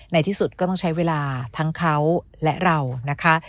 ในที่สุดก็ต้องใช้เวลาทั้งเขาและเรานะคะ